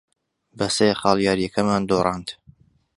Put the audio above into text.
بە سێ خاڵ یارییەکەمان دۆڕاند.